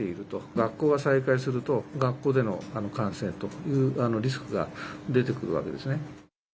学校が再開すると、学校での感染というリスクが出てくるわけですね。